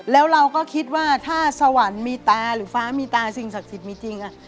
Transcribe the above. แล้วเราก็คิดว่าถ้าสวรรค์มีตาหรือฟ้ามีตาสิ่งศักดิ์สิทธิ์มีจริง